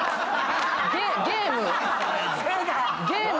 ゲーム。